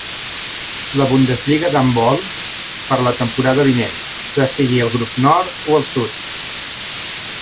la Bundeslliga d'handbol per a la temporada vinent, ja sigui el grup nord o el sud.